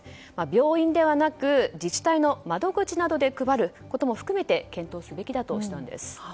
病院ではなく自治体の窓口などで配ることも含めて検討すべきだとしたんです。